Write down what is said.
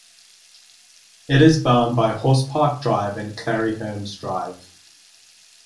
It is bound by Horse Park Drive and Clarrie Hermes Drive.